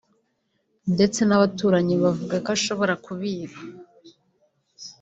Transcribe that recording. ndetse n’abaturanyi bavuga ko ashobora kubiba